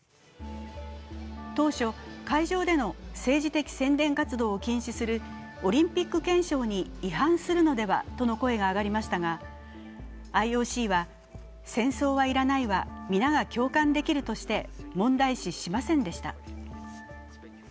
当初、会場での政治的宣伝活動を禁止するオリンピック憲章に違反するのではとの声が上がりましたが、ＩＯＣは戦争は要らないは皆が共感できるとして問題視しませんでした。